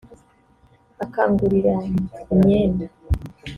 akangurira imyenda